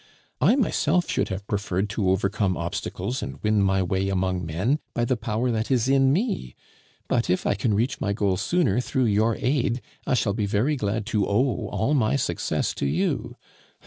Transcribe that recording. I myself should have preferred to overcome obstacles and win my way among men by the power that is in me; but if I can reach the goal sooner through your aid, I shall be very glad to owe all my success to you.